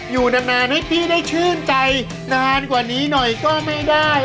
อยู่นานให้พี่ได้ชื่นใจนานกว่านี้หน่อยก็ไม่ได้